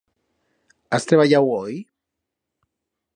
Has treballau hoi?